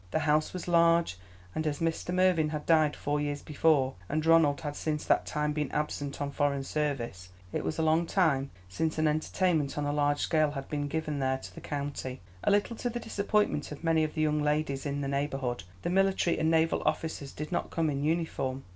The house was large, and as Mr. Mervyn had died four years before, and Ronald had since that time been absent on foreign service, it was a long time since an entertainment on a large scale had been given there to the county. A little to the disappointment of many of the young ladies in the neighbourhood, the military and naval officers did not come in uniform.